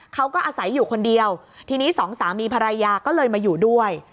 เขาก็อาศัยอยู่คนเดียวทีนี้สองสามีภรรยาก็เลยมาอยู่ด้วย